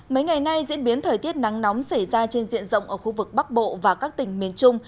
mấy ngày nay diễn biến thời tiết nắng nóng xảy ra trên diện rộng ở khu vực bắc bộ và các tỉnh miền trung